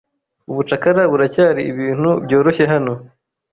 Ubucakara buracyari ibintu byoroshye hano.